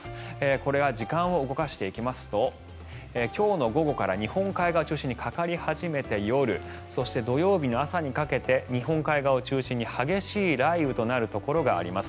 これが時間を動かしていきますと今日の午後から日本海側を中心にかかり始めて夜、そして土曜日の朝にかけて日本海側を中心に激しい雷雨となるところがあります。